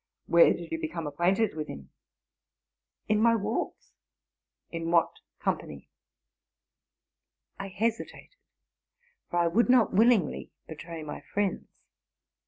'?—'* Where did you become acquainted with him ?''—'* In my walks.'' —'* In what company?'' I hesitated, for I would not willingly betray my friends.